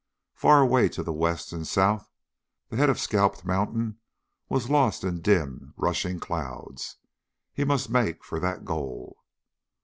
Far away to the west and the south, the head of Scalped Mountain was lost in dim, rushing clouds. He must make for that goal.